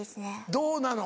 どうなの？